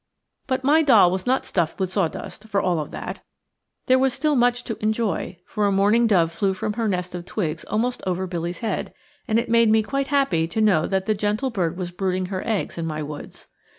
But my doll was not stuffed with sawdust, for all of that. There was still much to enjoy, for a mourning dove flew from her nest of twigs almost over Billy's head, and it made me quite happy to know that the gentle bird was brooding her eggs in my woods.